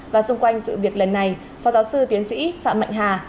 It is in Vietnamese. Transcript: và xung quanh sự việc lần này phó giáo sư tiến sĩ phạm mạnh hà